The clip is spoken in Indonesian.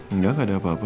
engga gak ada apa apa